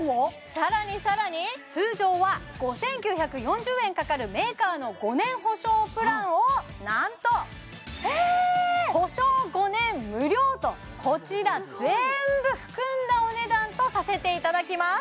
さらにさらに通常は５９４０円かかるメーカーの５年保証プランをなんとこちら全部含んだお値段とさせていただきます